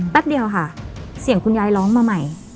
แป๊บเดียวค่ะเสียงคุณยายร้องมาใหม่